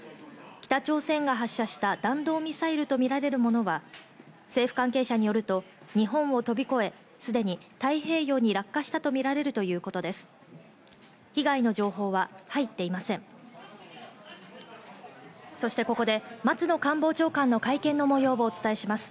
北朝鮮が発射した弾道ミサイルとみられるものは政府関係者によると、日本を飛び越え、すでに太平洋に落下したとみられるということです。